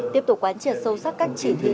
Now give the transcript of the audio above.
tiếp tục quán triệt sâu sắc các chỉ thị